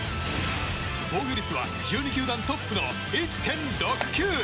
防御率は１２球団トップの１．６９。